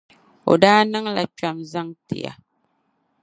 O daa niŋla kpɛma zaŋ ti ya.